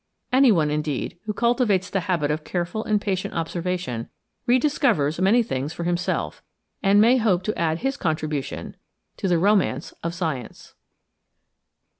Any one, indeed, who cultivates the habit of careful and patient observation rediscovers many things for himself, and may hope to add his contribution to the romance of science.